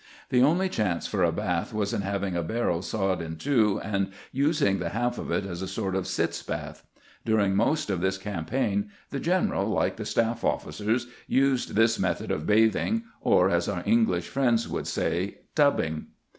The only chance for a bath was in having a barrel sawed in two and using the half of it as a sort of sitz bath. During most of this campaign the general, hke the staff officers, used this 120 CAMPAIGNING WITH GBANT mettod of bathing, or, as our Englisli friends would say, " tubbing."